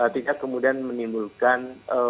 tidak kemudian menimbulkan